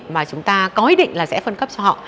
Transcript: mà chúng ta có ý định là sẽ phân cấp cho họ